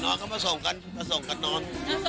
ก่อนนอนเขามาส่งกันมาส่งกันนอน